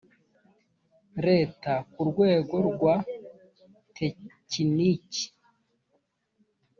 leta ku rwego rwa tekiniki